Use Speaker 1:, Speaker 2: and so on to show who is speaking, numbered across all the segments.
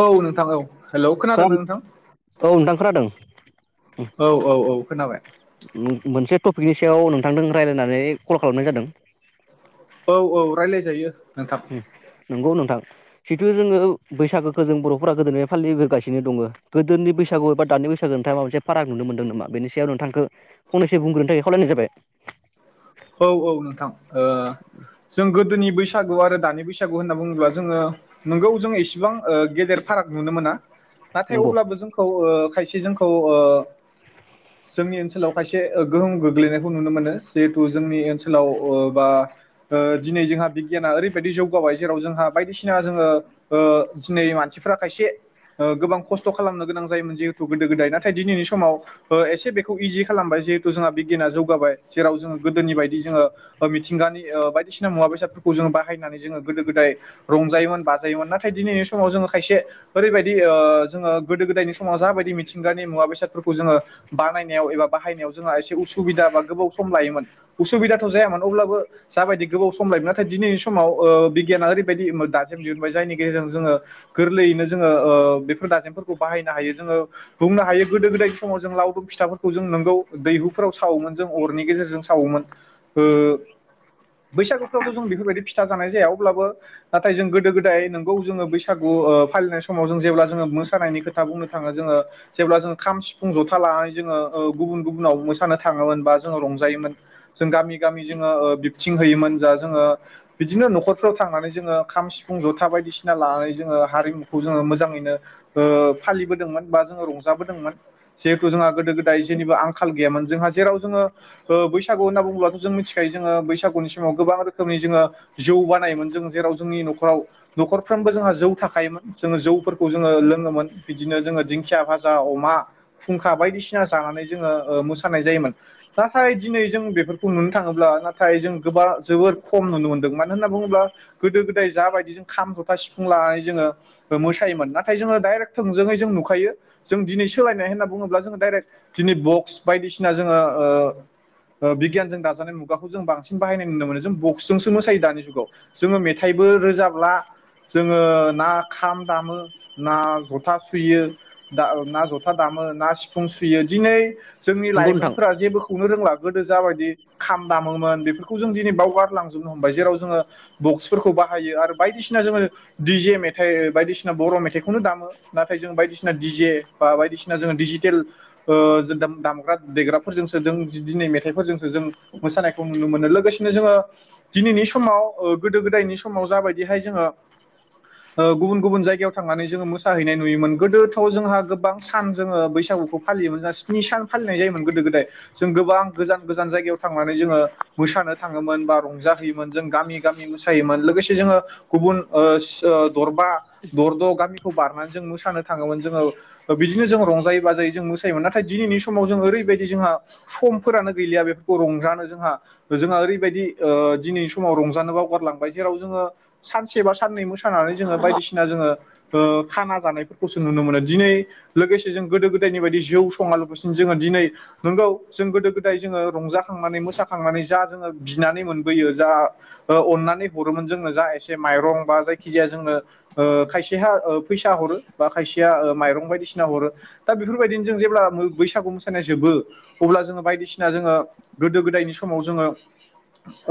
Speaker 1: औ नोंथां औ हेलौ
Speaker 2: औ
Speaker 1: खोनादोंना नोंथां
Speaker 2: नोंथां खोनादों
Speaker 1: औ औ औ खोनाबाय
Speaker 2: मोनसे टपिकनि सायाव नोंथांजों रायज्लायनानै कल खालामनाय जादों
Speaker 1: औ औ रायलायजायो नोंथां
Speaker 2: होम नंगौ नोंथां जिथु जोङो बैसागोखोजों बर'फोरा गोदोफ्राय फालिबोगासिनो दङ गोदोनि बैस बैसागु एबा दानि बैसागु नोंथाङा माबा मोनसे फाराग नुनो मोनदों नामा बेनि सायाव नोंथांखो फंनैसो बुंग्रोनो थाखाय खावायनाय जाबाय
Speaker 1: औ औ नोंथां ओ जों गोदोनि बैसागु आरो दानि बैसागु होनना बुङोब्ला जोङो नोंगौ जों इसेबां ओ गेदेर फाराग नुनो मोना नाथाय
Speaker 2: नंगौ
Speaker 1: अब्लाबो जोंखौ ओ खायसे जोंखौ ओ जोंनि ओनसोलाव खायसे गोहोम गोग्लैनायखौ नुनो मोनो जिहेथ जोंनि ओनसोलाव ओ बा दिनै ओ जोंहा बिगियाना ओरैबायदि जौगाबाय जेराव जोंहा बायदि सिना जोङो ओ दिनै मानसिफोरा खायसे गोबां खस्थ' खालामनो गोनां जायोमोन जिहेथु गोदो गोदाय नाथाय दिनैनि समाव ओ एसे बेखौ इजि खालामबाय जिहेतु जोंहा बिगियाना जौगाबाय जेराव जोङो गोदोनि बायदि जोङो ओ मिथिंगानि ओ बायदिसिना मुवा बेसादफोरखौ जों बाहायनानै जोङो गोदो -गोदाय रं रंजायोमोन बाजायोमोन नाथाय दिनैनि समाव जोङो खायसे औरैबायदि ओ जोङो गोदो गोदायनि समाव जाबायदि मिथिंगानि मुवा बेसादफोरखौ जोङो बानायाव एबा बाहायनायाव जोंहा एसे उसुबिदा बा गोबाव सम लायोमोन उसुबिदाथ' जायामोन अब्लाबो जाबायदि गोबाव सम लायोमोन नाथाय दिनैनि समाव ओ बिगियाना ओरैबायदि दासिम दिहुनबाय जायनि गेजेरजों जोङो गोरलैनो जोङो ओ बेफोर दाजेमफोरखौ बाहायनो हायो जोङो बुंनो हायो गोदो गोदाय समाव जों लावदुब फिथाफोरखौ जों नोंगौ दैहुफोराव सावोमोन जों अरनि गेजेरजों स सावोमोन ओ बैसागुफ्रावथ' जों बेफोरबायदि फिथा जानाय जाया अब्लाबो नाथाय जों गोदो गोदाय नोंगौ जोङो बैसागु ओ फालिनाय समाव जों जेब्ला जोङो मोसानायनि खोथा बुंनो थाङो जोङो जेब्ला जो खाम -सिफुं ज'था लानानै जोङो ओ गुबुन गुबुनाव मोसानो थाङोमोन बा जोङो रंजायोमोन जों गामि गामि जोङो ओ बिबथिं होयोमोन जा जोङो बिदिनो न'खरफ्राव थांनानै जोङो खाम सिफुं जथा बायदिसिना लानानै जोङो हारिमुखौ जोङो मोजाङैनो ओ फालिबोदोंमोन बा जोङो रंजाबोदोंमोन जिहेथु जोंहा गोदो -गोदाय जेनिबो आंखाल गैयामोन जोंहा जेराव जोङो ओ बैस गु होनना बुङोबथ' जों मिथिखायो जोंओ बैसागुनि समाव गोबां रोखोमनि जोंओ जौ बानायोमोन जों जेराव जोंनिनो न'खराव न'खरफ्रोमबो जोंहा जौ थाखायायोमोन जोङो जौफोरखौ जोङो लोङोमोन बिदिनो जोङो दिंखिया भाजा अमा फुंखा बायदिसिना जानानै जोङो ओ मोसानाय जायोमोन नाथाय दिनै जों बेफोरखौ नुनो थाङोब्ला नाथाय जों गोबा जोबोर खम नुनो मोनदों मानो होनना बुङोब्ला गोदो गोदाय जाबायदि जों खाम ज'था सिफुं लानानै जोङो मोसायोमोन नाथाय जोङो दडाइरेक्ट थोंजोङै जों नुखायो जों दिनै सोलायनाय होनना बुङोब्ला जोङो डाइरेक्ट दिनै बक्स बायदिसिना जोङो ओ ओ बिगियानजों दाजानाय मुगाखौ जों बांसिन बाहायनाय नुनो मोनो जों बक्सजोंसो मोसायो दानि जु जोंओ मेथाइबो रोजाबला जोङो ना खाम दामो ना जथा सुयो दाओ ना जथा दामो मो ना सिफुं सुयो दिनै जोंनि
Speaker 2: नंगौ नोंथां
Speaker 1: लाइमोनफोरा जेबोखौनो रोंला गोदो जाबायदि खाम दामोमोन बेफोरखौ जों दिनै बावगारलांजोबनो हमबाय जेराव जोङो बक्सफोरखौ बाहायो आरो बायदिसिना जोङो दि -जे मेथाइ बायदिसिना बर' मेथाइखौनो दामो नाथाय जों बायदिसिना दि जे बा बायदिसिना जोङो डिजिटेल ओ जोंदा दामग्रा देग्राफोरजोंसो जों जि दिनै मेथाइफोरजोंसो जों मोसानायखौ नुनो मोनो लोगोसेनो जोङो दिनैनि समाव ओ गोदो -गोदाय नि समाव जाबायदिहाय जोङो ओ गुबुन गुबुन जायगायाव थांनानै जोङो मोसाहैनाय नुयोमोन गोदोथ' जोंहा गोबां सान जोङो बैसागु गुखौ फालियोमोन स्नि सान फालिनाय जोयोमोन गोदो -गोदाय जों गोबां गोजान -गोजान जायगायाव थांनानै जोङो मोसानो थाङोमोन बा रंजाहयोमोन जों गामि -गामि मोसायोमोन लोगोसे जोङो गुबुन ओ सो दरबा दरद' गामिखौ बारनानै जों मोसानो थाङोमोन जोङो बिदिनो जों रंजायै बाजायै जों मोसायोमोन नाथाय दिनैनि समाव जों ओरैबायदि जोंहा समफोरानो गैलिया बेफोरखौ रंजानो जोंहा जोंहा ओरैबायदि ओ दिनैनि समाव रंजानोबाव गारलांबाय जेराव जोङो सानसे बा साननै मोसानानै जो डो बायादिसिना जोङो नुनो मोनो दिनै लोगोसे जों गोदो गोदायनि बायदि जौ संआलाबासिनो जोङो दिनै नोंगौ जों गोदो गोदाय जोङो रंजाखांनानै मोसाखांनानै जा जोङो बिनानै मोनबोयो जा ओ अननानै हरोमोन जोङो जा एसे माइरं बा जायखि जाया जोंनो खायसेहा फैसा। हरो बा खायसेया ओ माइरं बायदिसिना हरो दा बेफोरबायदिनो जों जेब्ला बैसागु मोसानाय जोबो। अब्ला जोङो बायदिसिना जोङो गोदो गोदायनि समाव जोङो।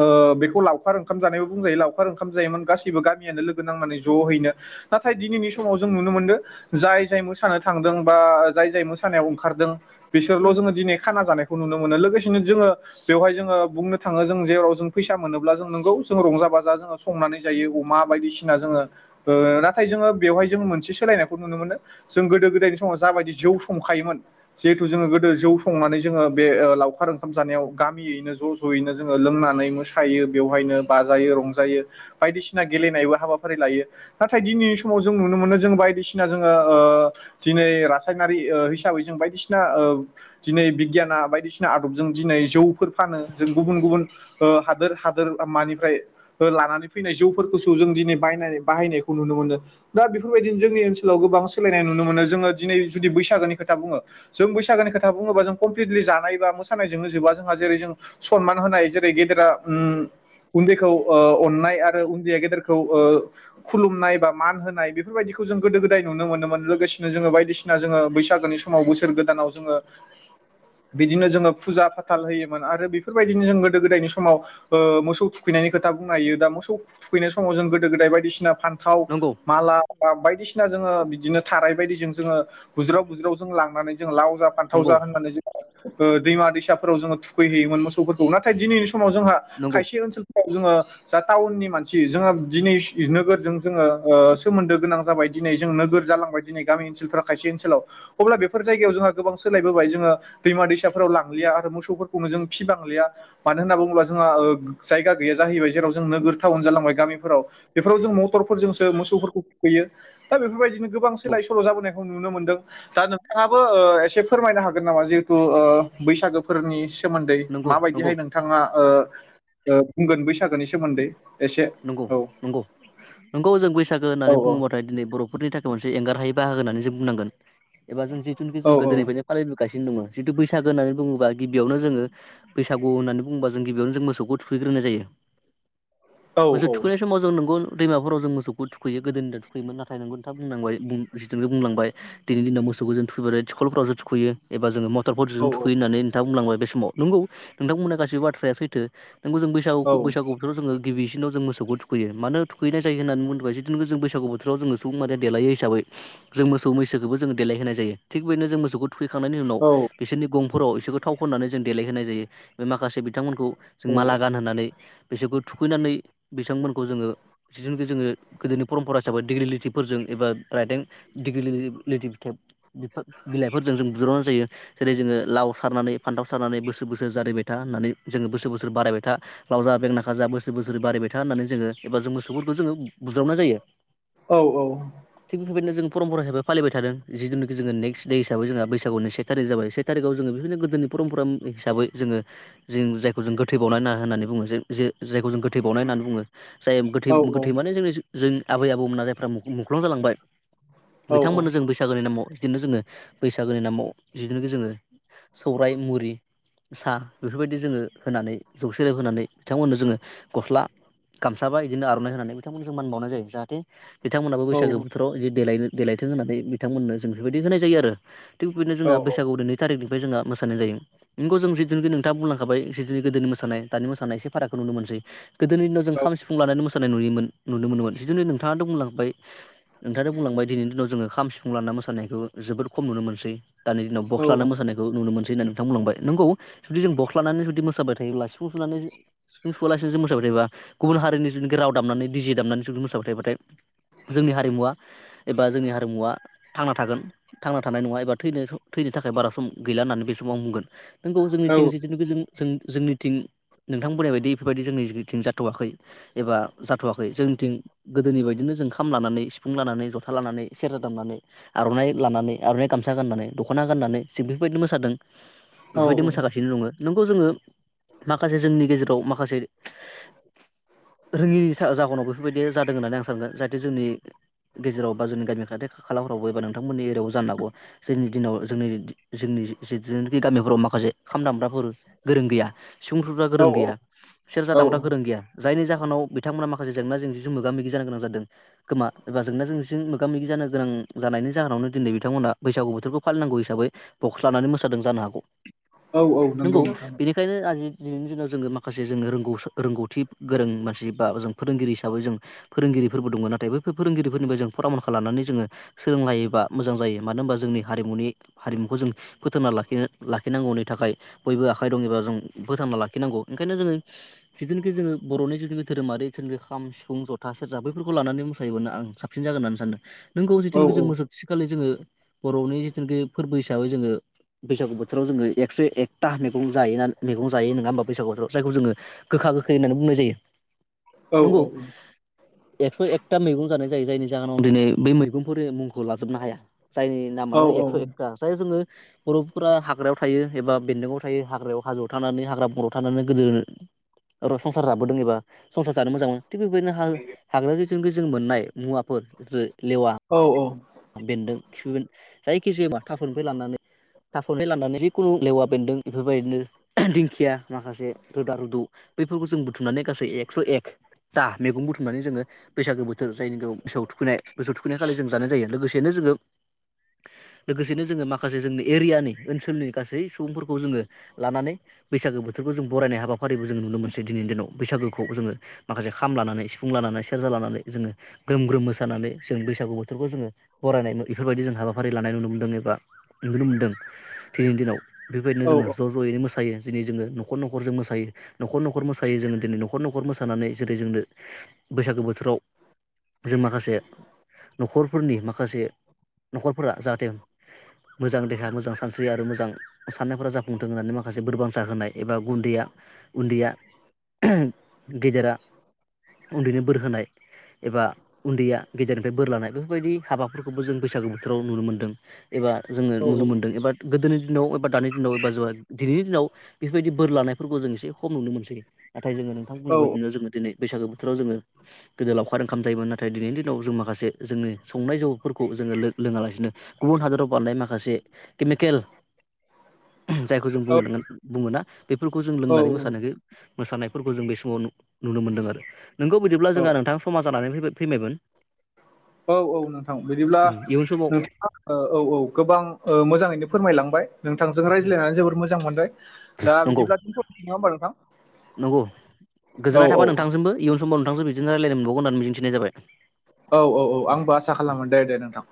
Speaker 1: ओ बेखौ लावखार ओंखाम जानायबो बुंजायो लावखार ओंखाम जायोमोन गासैबो गामियानो लोगो नांनानै ज' हैैनो। नाथाय दिनैनि समाव जों नुनो मोनदों जाय जाय मोसानो थांदों बा जाय जाय मोसानायाव ओंखार। ओंखारदों बिसोरल' जोङो दिनै। खाना जानायखौ नुनो मोनो लोगोसेनो जोङो बेवहाय जोङो बुंनो थाङो जों जेराव जों फैसा मोनोब्ला जों नोंगौ। मोनसे समाव जों रंजा-बाजा संनानै जायो अमा बायदिसिना जोङो ओ नाथाय जोङो बेवहाय सोनसे सोदोब जोङो। सोलायनायखौ नुनो मोन जों गोदो गोदायनि समाव जाबायदि जौ संखायोमोन जेहुथु जोङो गोदो जौ। संनानै जोङो बे लावखार ओंखाम जानायाव गामियैनो ज' ज'यैनो जोङो लोंनानै मोसायो बेवहाय। बेवहायनो बाजायो रंजायो बायदिसिना गेलेनायबो हाबाफारि लायो नाथाय दिनैनि समाव जों नुनो मोनो जों। जों बायदिसिना जोङो ओ दिनै रासायनारि ओ हिसाबै जों ओ बायदिसिना। दिनै बिगियाना बायदिसिना आदबजों दिनै जौफोर फानो जों गुबुन गुबुन ओ हादोर हादोर। मानिफ्राय लानानै फैनाय जौफोरखौो जों दि बाहायनायखौ नुनो मोनदों दा बेफोरबायदि जों जोंनि ओनसाव गोबां सोलायनायुनो मोन जोंङो दिनै जुदि बैसागोनि खोथा बुङो जों बैसागोनि खोथा बुङोबा जों कमप्लिटलि जानाय बा मोसानायजोंनोजोबा जोंहा जेरै जों समान होनाय जों गेदेरा ओम उन्दैखौ ओ अननाय आरो उन्दैया गेदेर। औ, ओ खुलुमनाय बा मान होनाय बेफोरबायदिखौ खौ जों गोदो गोदाय नुनो मोनोमोन लोगोसेनो जोंङो बायदिसिना जोंङो बैसागोनि समाव बोसोर गोदानाव जोंङो [unintelligible] बिदिनो जोंङो फुजा फाथाल होयोमोन आरो बेफोरबायदिनो जों गोदो गोदायनि समाव मोसौ थुखैनायनि खोथा बुंनोयो दा मोसौ थुखैनाय समाव जों गोदो गोदाय बायदिसि फान्थाव
Speaker 2: नंगौ
Speaker 1: माला बा बायदिसिना जोंङो बिदिनो थाराय बायदिजों जोङो बुज्राव बुज्राव जों लांनानै जों लाव जा फानथाव
Speaker 2: नंगौ
Speaker 1: जा होननानै जों ओ दैमा दैसाफोराव जोङो थुखैहैयोमोन मोसौफोरखौ नाथाय दिनैनि समाव जोंहा
Speaker 2: नंगौ
Speaker 1: खायसे ओनसोल जोंङो जा टाउननि मानसि जो़ङो दिनै स्टि नोगोरजों जोंङो ओ सोमोन्दो गोनां जाबाय। दिनै जों नोगोर जालांबाय दिन गामि ओनोलफाव खायसे ओनसोलाव अब्ला बे जायगायाव जोंहा गोबां सोलायबोबाय जोंङो। दैमा दैसाफोराव लांलिया आरो मोसौफोरखौनो जों फिसिनो हालिया मानो होनना बुङोब्ला जोंहा ओ जायगा गैया जाहैबाय जेराव जों नोगोर टाउन जालांबाय गामिफोराव बेफोराव जों मटरफोरजोंसो मोसौफोर थुखैयो दा बेफोरबायदिनो गोबां
Speaker 2: नंगौ
Speaker 1: सोलाय सोल' जाबोनायखौ नुनो मोनदों दा नोंथाङाबो ओ एसे। फोरमायनो हागोन नामा जिहेथु ओ बैसागोफोरनि सोमोन्दै
Speaker 2: नंगौ
Speaker 1: माबायदिहाय नोंथाङा ओ ओ बुंगोन बैसागोनि सोमोन्दै। एसे
Speaker 2: नंगौ
Speaker 1: औ
Speaker 2: नंगौ। नंगौ जों बैसागो
Speaker 1: औ
Speaker 2: होननानै बुङोबाथाय दिनै बर'फोरनि थाखाय मोनसे एंगारहायै बाहागो होननानै जों बुंनांगोन एबा जों जिथुनिखि
Speaker 1: औ
Speaker 2: जों गोदोनिफ्रायनो फालिबोगासिनो दङ। जुथु बैसागो होननानैुङोबा गिबियावनो जोङो बैसागु होन्नानै बुङोबा जों गिबियावनो जों मोसौखौ थुखैग्रोनाय जायो।
Speaker 1: [inaudible]
Speaker 2: मोसौ थुखनाय समाव जों नंगौ। दैमाफोराव जों मोसौखौ थुखैयो गोदो दिनाव थुखैमोन नाथाय नंगौ नोंथाङा बुंलांबायखौ बुंलांबाय दिनै दिनाव। मोसौखौ जों थुखैबाय टिबखलफोरावसो जो थुखैयो एबा जो म
Speaker 1: औ
Speaker 2: मटरफोरजों थुखैयो होननानै नोंथां बुंलांबाय बे समाव नोंगौ नोंथांबुंनाय गासैबो बाथ्राया सैथो। नोंबो जों
Speaker 1: औ
Speaker 2: बैागु बैसाग बोथोर जोंङो गिबि बिसिनाव जों मोसौखौ थुखैयो मानो थुखैनाय जायो होननानै बुंदोंबाय जिथु जों बैसागु बोथोराव जोङो सुबुंमाहारिया देलायो हिसाबै जों मोसौ मैसोखौबो जों देलाय होनाय जायो थिग बेदिनो जों मोसौखौ थुखैखांनायनि उनाव
Speaker 1: औ
Speaker 2: बिसोरनि गंफोराव बिसोरखौ थाव फननानै जों देलायहोनाय जायो बे माखासे बिथांमोनखौ। जों माला गानहोननानै बिसोरखौ थुखैनानै। बिथांमोनखौ जोंङो जिथुुनखि जोङो गोदोनि परमपरा हिसाबै डेग्रिलिटिफोरजों एबा राइथें दिल्गिथि फिथाइफोर बिलाइफोरजों जों बुज्रावनाय जायो जायो जेरै जोङो लाव सारनानै। फान्थाव सार बोसोर बोसोर जारिायबाय था होननानै जोङो बोसोर बोसोर बायबाय था लाव जा बेंख्ना खाजा बोसोर बोसोर बारायबाय था होनानै जों एबा मोसौफोरखौ जों बुज्रावनाय जायो।
Speaker 1: औ
Speaker 2: बेफोरबादिनो जों परम परा हिसाबै फलिबाय थादों जिथु जोंङो नेक्ट दे हिसै जोंहा बैसागनि से थारि जाबाय से थारिखआव जोंङो बेफोरबादिनो गोदोनि परमपरा हिसाबै जोंङो जों जायखौ जों गोथै बावना ना‌ होननानै बुङो जे जे जायखौ जों गोथै बाव बुङो जाय गोथै
Speaker 1: औ
Speaker 2: गोथै माने जोंनि जोंनि आबै आबौमोना जायफ्रा मु मुख्लं जालांबाय
Speaker 1: औ
Speaker 2: बिथांमोननो जों बैसागोनि नामाव बिदिनो जोंङो बैसागोनि नामाव बिदिनो जोङो सौराय मुरि साहा बेफोरबायदि जोंङो होनानै जौसे रां होनानै बिथांमोननो जोंङो गस्ला गामसा बा बिदिनो आर'नाइ होनानै बिथांमोनखौ मान बावनाय जायो जाहाथे बिथांमोनाबो
Speaker 1: औ
Speaker 2: बैसागो
Speaker 1: औ
Speaker 2: बोथोराव जि देलायनो देलायथों होननानै बिथांमोननो जों बेफोरबायदि होनाय जायो आरो थिग बिदिनो जोंहा बैसागुआव नै थारिख जोंहा मोसानाय जायो नोंगौ जों जे जों जे नोंथाङा बुंलांखाबाय जि गोदोनि मोसानाय दानि मोसानाय एसे फारागखौ नुनो मोनसै सै गोदोनि दिनाव जों खाम सिफुं लानानै मोसानाय नुयोमोन नुनो मोनोमोन जिथु नोंथाङाथ' बुंलां ओमफ्राय नोंथाङा बुंलांबाय दिनैनि दिनाव जोंङो खाम सिफुं लाना मोसानायखौ जोबोद खम नुनो मोनसै दानि दिनाव बक्स लान मोसानायखौ नु मोनसै होननानै थां बुंलांबाय नोंगौ जुदि जों बक्स लानानै जुदि मोसाबाय थायोब्ला सिफुं सुनानै सिुफुं सुवलासिनो जुदि मोसाबाय थायोबा गुबुन हारिनि जुदि राव दामनानै डि जि दामनानै जुदि मोसाबाय थायोबाथाय जोंनि हारिमुवा एबा जोंनि हारिमुवा थांना थागोन थांना थानाय नङा एबा थैनो थैनो थाखाय बारा सम गैला होननानै बे समाव आं बुंगोन नोंगौ जोंनिथिं जिथुुनाखि जों जों जोंनिथिं नोंथां बुंनायबायदि बेफोरबायदि जोंनि थिं जाथ'वाखै एबा जाथ'वाखै जोंथिं गोदोनि बायदिनो जों खाम लानानै सिुफुं लानानै जथा लानानै सेरजा दामनानै आर'नाइ लानानै आर'नाइ गामसा गाननानै दख'ना गाननानै जों बेफोरबायदि मोसादों बेफोरबायदि मोसागासिनो दङो नोंगौ जोङो माखासे जोंनि गेजेराव माखासे रोङिनि सा जाहोनाव बेफोरबायदि जादों होननानै आं सानगोन जाहाथे जोंनि गेजेराव बा जोंनि गामियाव जाहाथे हालामफ्रावबो एबा नोंथांमोननि एरियायावबो जानो हागौ जोंनि दिनाव जोंनि दि जोंनि जि जे‌ जेनाखि गामिफ्राव मा खासे खाम दामग्राफोर गोरों गैया सिफुं सुग्रा
Speaker 1: औ
Speaker 2: गोरों गैया सेरजा
Speaker 1: औ
Speaker 2: दामग्रा गोरों गैया जायनि जाहोनाव बिथांमोना माखासे जेंना जेंजिजों मोगा मोगि जानो गोनां जादों खोमा एबा जेंना जेंसिजों मोगा मोगि जा नो गोनां जानायनि जाहोनावनो दिनै बिथांमोना बैसागु बोथोरखौ फालिनांगौ हिसाबै बक्स लानानै मोसादों जानो हागौ
Speaker 1: औ औ नंगौ
Speaker 2: नोंगौ
Speaker 1: नोंथां
Speaker 2: बेनिखायनो आजि दिनैनि दिनाव जोङो माखासे जोङो रोंगौसा रोंगौथि गोरों मानसि बा जों फोरोंगिरि हिसाबै जों फोरोंगिरिफोरबो दङो नाथायबो बे फोरोंगिरिफोरनिबो जों फरामनखौ लानानै जोङो सोलोंनो हायोबा मोजां जायो मानो होनबा जोंनि हारिमुनि हारिमुखौ जों फोथांना लाखिनो लाखिनांगौनि थाखाय बयबो आखाइ दङ एबा जों फोथांना लाखिनांगौ ओंखायनो जोङो जिथुखि जोङो जुदि जोङो धोरोमारि [inaudible] खाम सि फुं जथा सेरजा बैफोरखौ लानानै मोसायोबा ना आं साबसिन जागोन होननानै सानदों नोंगौ
Speaker 1: औ
Speaker 2: जिथुनाखि जों [unintelligible] थिखालनि जोङो बर'नि जिथुनाखि फोरबो हिसाबै जोङो बैसागु बोथोराव जोङो एकस एक था मैगं जायोना मैगं जायो नङा होमबा बैागुयावथ' जायखौ जोङो गोखा गोखै होननानै बुंनाय जायो
Speaker 1: औ
Speaker 2: नोंगौ एकस' एकथा मैगं जानाय जायो जायनि जाहोनाव दिनै बे मैगंफोरनि मुं खौ लाजोबनो हाया जायनि
Speaker 1: औ
Speaker 2: नामानो एकस' एकथा जाय जोङो बर'फोरा हाग्रायाव थायो एबा बेन्दोंआव थायो हाग्रायाव हाजोआव थानानै हाग्रा बंग्रायाव थानानै गोदो आरो संसार जाबोदों एबा संसार जानो मोजां मोनो थिग बेफोरबादिनो हा हाग्राजों जों मोननाय मुवाफोर जे लेवा
Speaker 1: औ औ
Speaker 2: बेन्दों खिफि बेन जायखि जाया माथाफोरनिफ्राय लानानै थास' निफाय लानानै लानानै जिखुनु लेवा बेन्दों बेफोरबायदिनो दिंखिया माखासे रोदा रुदु बैफोरखौ जों बुथुमनानै गासै एक्स' एक था मैगं बुुथुमनानै जोङो बैसागो बोथोर जायनि [inaudible] मोसौथुखैनाय मोसौ थुखैनाय खाललि जों जानाय जायो लोगोसेनो जोङो लोगोसेनो जोङो माखासे जोंनि एरियानि ओनसोलनि गासै सुबुंफोरखौ जोङो लानानै बैसागो बोथोर जों बरायनाय हाबाफारिबो जों नुनो मोनै दिनै दिनाव बैसागोखौ जोङो माखासे खाम लानानै सिफुं लानानै सेरजा लानानै जोङो ग्रोम ग्रोम मोसानानै जों बैसागु बोथोरखौ जोङो फरायनाय बेफोरबायदि जों हाबाफारि लानाय नुनो मोनदों एबा नुनो मोनदों दिनैनि दिनाव बेबायदिनो जोङो ज' ज'यैनो मोस मोसायो दिनै जोङो न'खर न'खरजों मोसायो न'खर न'खर मोसायो जोङो दिनै न'खर न'खर मोसानानै जेरै जोंनो बैसागो बोथोराव
Speaker 1: [unintelligible]
Speaker 2: जों माखासे न'खर फोरफोरनि माखासे न'खरफोरा जाहाथे मोजां देहाया मोजां सानस्रियो आरो मोजां साननायफोरा जाफुंथों होननानै माखासे बोरबांसा होनाय एबा गुन्दैया उन्दैया गेदेरा उन्दैनो बोर होनाय एबा उन्दैया गेदेरनिफ्राय बोर लानायबो बेफोरबायायदि हाबाफोरखौबो जों बैसागु बोथोराव नुनो मोनदों एबा जोङो नुनो मोनदों एबा गोदोनि दिनाव एबा दानि दिनाव एबा ज दिनैनि दिनाव बेफोरबायदि बोर लानायफोरखौ जों एसे खम नुनो मोनसै नाथाय जो नोंथां बोंनाय बदिनो जोङो दिनै बैसागो बोथोराव जोङो गोदो लावखार ओंखाम जायोमोन नाथाय दिनैनि दिनाव जों माखासे जोंनि संनाय जौफोरखौ जोङो लोङा लासिनो गुबुन हादराव बारनाय माखासे केमिकेल जायखौ जों बुं बुङोना बेफोरखौ जों
Speaker 1: औ
Speaker 2: लोंनानै
Speaker 1: औ
Speaker 2: मोसानायखो मोसानायफोरखौ जों बे समाव नुनो मोन्दों आरो नोंगौ बिायदिब्ला
Speaker 1: औ
Speaker 2: जोंहा नोंथां समाज जानानै फैबाय फैबायमोन।
Speaker 1: औ औ नोंथां बिदिब्ला
Speaker 2: इयुन समाव
Speaker 1: नोंथाङा औ औ गोबां ओ मोजाङैनो फोरमायलांबाय। नोंथांजों रायज्लायनानै जोबोद मोजां मोनबाय दा
Speaker 2: नंगौ
Speaker 1: बिदिब्ला दोनथ'नि नङा होमबा नोंथां। औ
Speaker 2: गोजोन्नाय
Speaker 1: औ
Speaker 2: थाबाय
Speaker 1: औ
Speaker 2: नोंथांजोंबो इयुन समाव नोंथांजों बिदिनो रायज्लायनो मोनबावगोन होननानै मिजिंथिनाय जाबाय।
Speaker 1: औ औ औ आंबो आसा खालामो दे दे नोंथां।